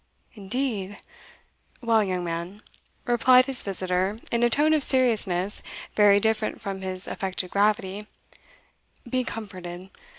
"Indeed? Well, young man," replied his visitor, in a tone of seriousness very different from his affected gravity, "be comforted.